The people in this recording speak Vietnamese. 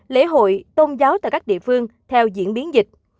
lễ hội tôn giáo tại các địa phương theo diễn biến dịch